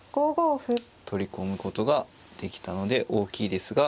取り込むことができたので大きいですが。